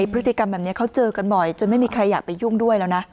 พฤติกรรมแบบนี้เขาเจอกันบ่อยจนไม่มีใครอยากไปยุ่งด้วยแล้วนะ